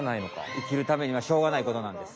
生きるためにはしょうがないことなんです。